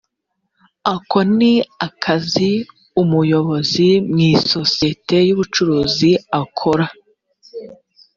ako ni akazi umuyobozi mu isosiyete y’ubucuruzi akora